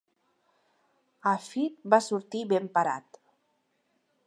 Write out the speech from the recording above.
Hafid va sortir ben parat.